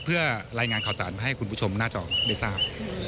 เพื่อรายงานข่าวสารมาให้คุณผู้ชมหน้าจอได้ทราบ